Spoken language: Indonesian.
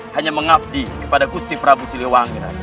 hanya mengabdi kepada gusti prabu siliwangi raden